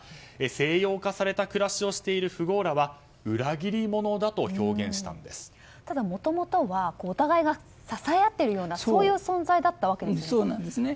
西洋化された暮らしをしている富豪らはただ、もともとはお互いが支え合っているようなそういう存在だったわけですよね。